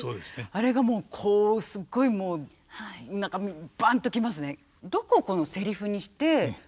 あれがもうこうすごいもう何かバンと来ますね。